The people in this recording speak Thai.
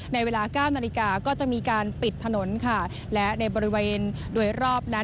เวลาเก้านาฬิกาก็จะมีการปิดถนนค่ะและในบริเวณโดยรอบนั้น